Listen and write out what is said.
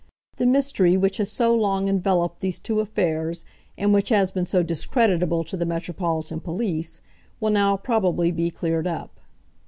The mystery which has so long enveloped these two affairs, and which has been so discreditable to the metropolitan police, will now probably be cleared up."